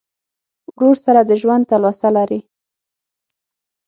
ورور سره د ژوند تلوسه لرې.